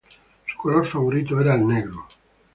Su color favorito era el negro.